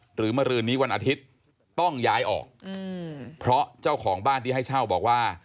หรือมารืนนี้วันอาทิตย์ต้องย้ายออกเพราะเจ้าของบ้านที่ให้เช่าบอกว่า